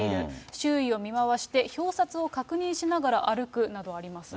周囲を見回して、表札を確認しながら歩くなどあります。